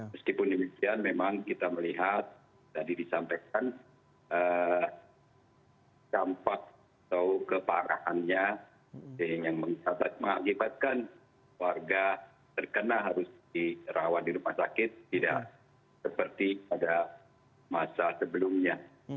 meskipun demikian memang kita melihat tadi disampaikan dampak atau keparahannya yang mengakibatkan warga terkena harus dirawat di rumah sakit tidak seperti pada masa sebelumnya